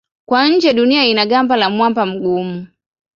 Kwa nje Dunia ina gamba la mwamba mgumu.